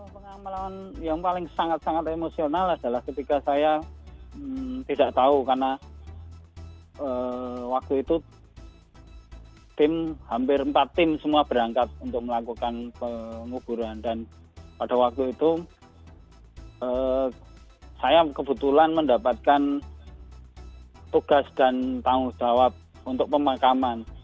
pengalaman yang paling sangat sangat emosional adalah ketika saya tidak tahu karena waktu itu tim hampir empat tim semua berangkat untuk melakukan penguburan dan pada waktu itu saya kebetulan mendapatkan tugas dan tanggung jawab untuk pemakaman